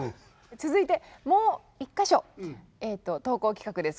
続いてもう一か所投稿企画です。